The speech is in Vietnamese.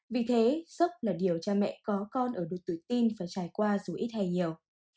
vì thế sốc là điều cha mẹ có con ở độ tuổi tin và trải qua dù ít hay nhiều